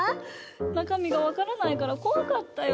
なかみがわからないから怖かったよ。